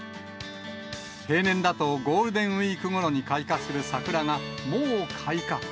平年だとゴールデンウィークごろに開花する桜が、もう開花。